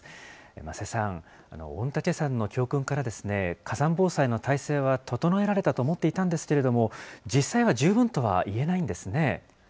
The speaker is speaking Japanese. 間瀬さん、御嶽山の教訓から、火山防災の体制は整えられたと思っていたんですけれども、実際は十分とは言えないんですね。